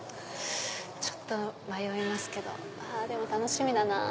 ちょっと迷いますけどでも楽しみだなぁ。